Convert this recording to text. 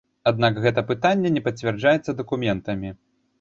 Аднак гэта паданне не пацвярджаецца дакументамі.